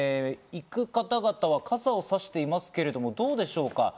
行く方々は傘をさしていますけど、どうでしょうか。